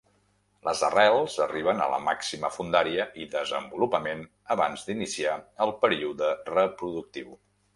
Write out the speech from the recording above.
Les arrels arriben a la màxima fondària i desenvolupament abans d'iniciar el període reproductiu.